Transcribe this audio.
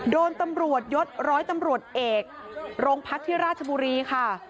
โดนตำรวจยศร้อยตำรวจเอกโรงพักที่ราชบุรีค่ะ